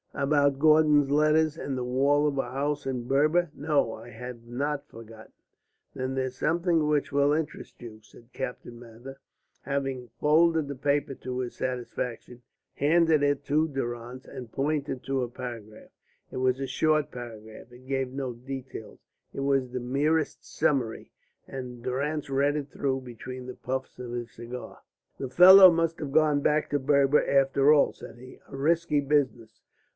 "About Gordon's letters and the wall of a house in Berber? No, I have not forgotten." "Then here's something which will interest you," and Captain Mather, having folded the paper to his satisfaction, handed it to Durrance and pointed to a paragraph. It was a short paragraph; it gave no details; it was the merest summary; and Durrance read it through between the puffs of his cigar. "The fellow must have gone back to Berber after all," said he. "A risky business.